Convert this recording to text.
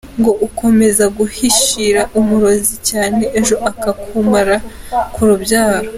Ngo ukomeza guhishira umurozi cyane ejo akakumara ku rubyaro.